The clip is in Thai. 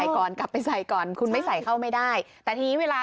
โดนโรงคนไทยใส่หน้ากากอนามัยป้องกันโควิด๑๙กันอีกแล้วค่ะ